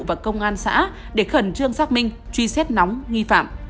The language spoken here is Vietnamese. và công an xã để khẩn trương xác minh truy xét nóng nghi phạm